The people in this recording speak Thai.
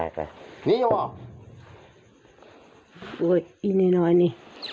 นี่หว่านี่หว่าอินินอนิ